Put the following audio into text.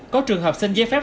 có trường hợp xin giấy phép